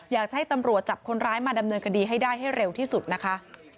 อยากจะให้ตำรวจจับคนร้ายมาดำเนินคดีให้ได้ให้เร็วที่สุดนะคะ